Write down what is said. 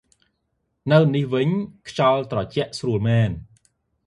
នៅនេះវិញ ខ្យល់ត្រជាក់ស្រួលមែន ។